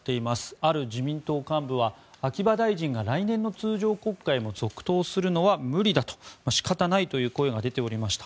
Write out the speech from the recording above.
ある自民党幹部は秋葉大臣が来年の通常国会も続投するのは無理だと、仕方ないという声が出ておりました。